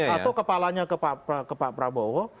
atau kepalanya ke pak prabowo